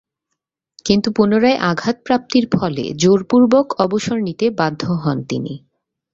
কিন্তু পুনরায় আঘাতপ্রাপ্তির ফলে জোরপূর্বক অবসর নিতে বাধ্য হন তিনি।